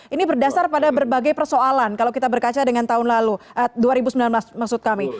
ini berdasar pada berbagai persoalan kalau kita berkaca dengan tahun lalu dua ribu sembilan belas maksud kami